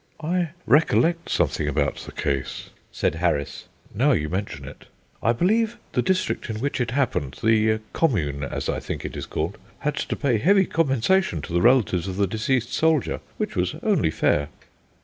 "I recollect something about the case," said Harris, "now you mention it. I believe the district in which it happened the 'Commune,' as I think it is called had to pay heavy compensation to the relatives of the deceased soldier; which was only fair."